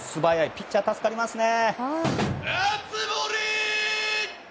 ピッチャー、助かりますね。